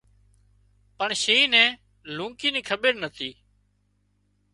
پڻ شينهن نين لونڪي ني کٻير نتي